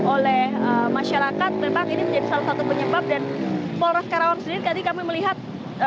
oleh masyarakat memang ini menjadi salah satu penyebab dan polres karawang sendiri tadi kami melihat